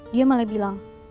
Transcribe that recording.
dia malah bilang